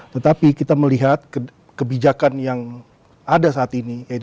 tetapi kita melihat kebijakan yang ada saat ini yaitu tujuh lima